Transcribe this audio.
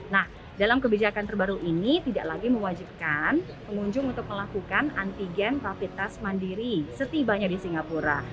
nah dalam kebijakan terbaru ini tidak lagi mewajibkan pengunjung untuk melakukan antigen rapid test mandiri setibanya di singapura